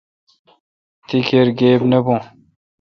تی کیر گیب نہ بھو۔